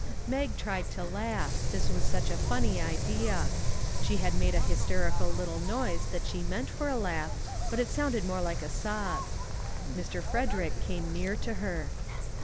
Mag tried to laugh; this was such a funny idea ; she did make a hysterical little noise that she meant for a laugh, but it sounded more like a sob. Mr. Frederick came near to her.